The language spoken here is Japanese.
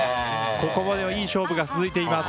ここまでいい勝負が続いています。